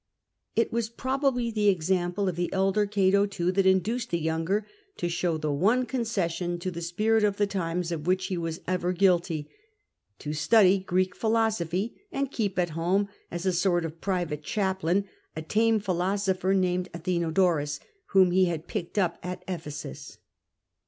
It was probably the example of the elder Cato, too, that induced the younger to show the one concession to the spirit of the times of which he was ever guilty — to study Greek philosophy, and keep at home as a sort of private chaplain a tame philosopher named Athenodorus, whom he had picked up at Ephesus.